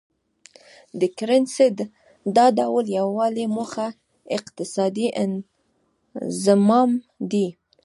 د کرنسۍ د دا ډول یو والي موخه اقتصادي انضمام دی.